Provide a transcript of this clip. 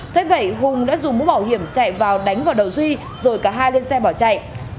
thế vậy hùng đã dùng mũ bảo hiểm chạy vào đánh vào đầu duy rồi cả hai lên xe bỏ chạy